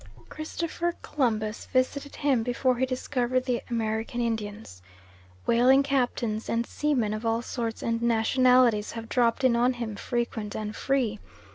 Christopher Columbus visited him before he discovered the American Indians. Whaling captains, and seamen of all sorts and nationalities have dropped in on him "frequent and free."